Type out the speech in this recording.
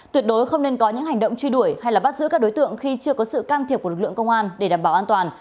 tuyệt đối không nên có những hành động truy đuổi hay bắt giữ các đối tượng khi chưa có sự can thiệp của lực lượng công an để đảm bảo an toàn